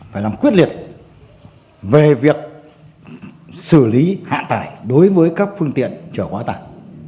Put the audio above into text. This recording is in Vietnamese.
phải làm quyết liệt về việc xử lý hạ tải đối với các phương tiện chở hóa tải